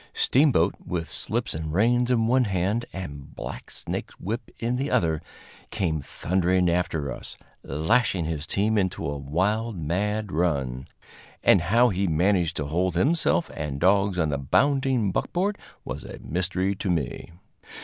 Steamboat, with slips and reins in one hand and blacksnake whip in the other, came thundering after us, lashing his team into a wild, mad run and how he managed to hold himself and dogs on the bounding buckboard was a mystery to me.